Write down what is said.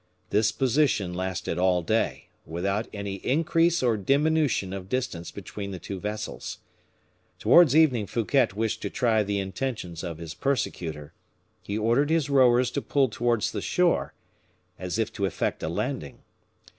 This position lasted all day, without any increase or diminution of distance between the two vessels. Towards evening Fouquet wished to try the intentions of his persecutor. He ordered his rowers to pull towards the shore, as if to effect a landing.